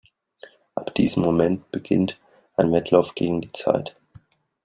Ab diesem Moment beginnt ein Wettlauf gegen die Zeit.